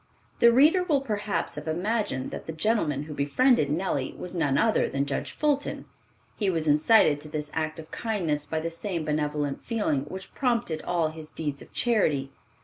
The reader will perhaps have imagined that the gentleman who befriended Nellie was none other than Judge Fulton. He was incited to this act of kindness by the same benevolent feeling which prompted all his deeds of charity.